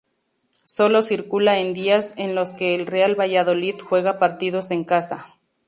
Solo circula en días en los que el Real Valladolid juega partidos en casa.